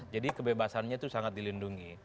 jadi kebebasannya itu sangat dilindungi